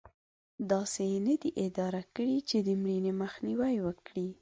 داسې یې نه دي اداره کړې چې د مړینې مخنیوی وکړي.